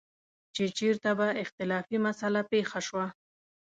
چې چېرته به اختلافي مسله پېښه شوه.